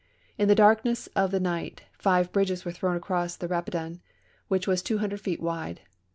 In the darkness of the night five bridges were thi'own across the Rapidan, which was two hundred feet wide.